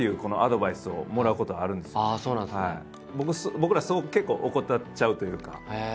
僕らすごく結構怠っちゃうというか。